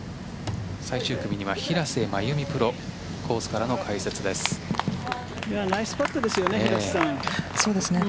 最終組には平瀬真由美プロコースからの解説です。